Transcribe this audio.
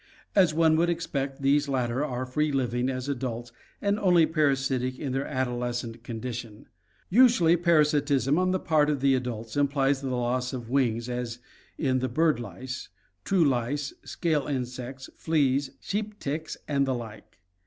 As one would expect, these latter are free living as adults and only parasitic in their adolescent condition. Usually parasitism on the part of adults implies the loss of wings as in the bird lice (Mallophaga), true lice, scale insects, fleas, sheep ticks, and the like.